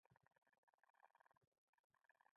ایا زه باید دروند کار وکړم؟